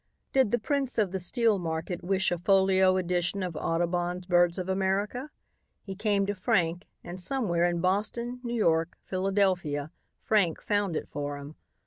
Did the prince of the steel market wish a folio edition of Audubon's "Birds of America"? He came to Frank and somewhere, in Boston, New York, Philadelphia, Frank found it for him.